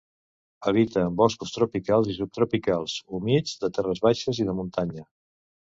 Habita en boscos tropicals i subtropicals humits de terres baixes i de muntanya.